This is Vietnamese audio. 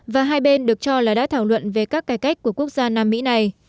và hai bên được cho là đã thảo luận về các cải cách của quốc gia nam mỹ này